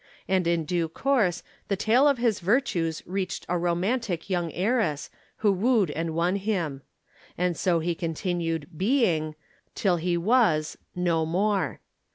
And in due course the tale of his virtues reached a romantic young heiress who wooed and won him. And so he continued being, till he was no more.